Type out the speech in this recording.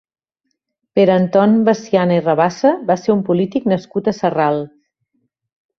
Pere Anton Veciana i Rabassa va ser un polític nascut a Sarral.